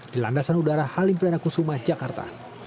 di landasan udara halim perdana kusuma jakarta